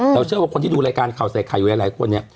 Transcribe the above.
เชื่อว่าคนที่ดูรายการข่าวใส่ไข่อยู่หลายคนเนี่ย